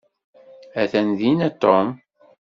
Atan dina Tom.